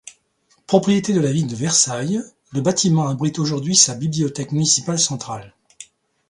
Propriété de la ville de Versailles, le bâtiment abrite aujourd'hui sa bibliothèque municipale centrale.